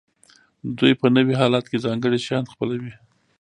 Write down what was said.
دوی په نوي حالت کې ځانګړي شیان خپلوي.